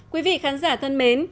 quý vị khán giả thân mến